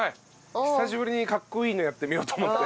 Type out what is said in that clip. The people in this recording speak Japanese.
久しぶりにかっこいいのやってみようと思って。